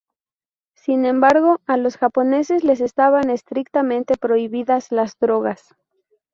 Sin embargo, a los japoneses les estaban estrictamente prohibidas las drogas.